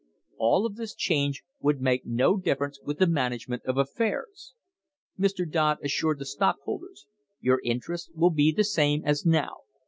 All of this change would make no difference with the management of affairs. Mr. Dodd assured the stockholders: "Your interests will be the same as now.